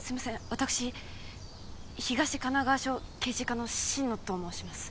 わたくし東神奈川署刑事課の心野と申します。